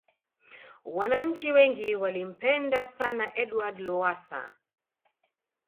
wananchi wengi walimpenda sana edward lowasa